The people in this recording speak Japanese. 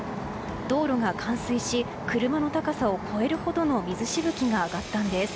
道路が冠水し車の高さを超えるほどの水しぶきが上がったんです。